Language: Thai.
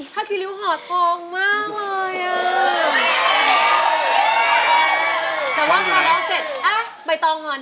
ข้าทีริวห่อทองมากเลย